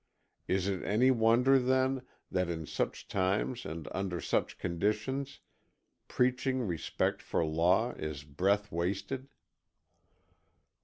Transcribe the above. Is it any wonder, then, that in such times and under such conditions preaching respect for law is breath wasted?